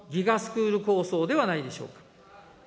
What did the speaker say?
スクール構想ではないでしょうか。